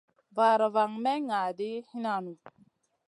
Vaara van may ŋa ɗi hinan nu.